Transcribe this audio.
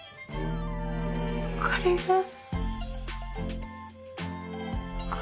これが恋？